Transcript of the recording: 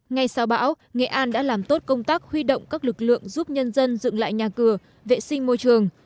ngay sau bão nghệ an đã làm tốt công tác huy động các lực lượng giúp nhân dân dựng lại nhà cửa vệ sinh môi trường